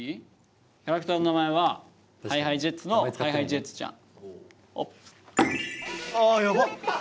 キャラクターの名前はＨｉＨｉＪｅｔｓのハイハイジェッツちゃん。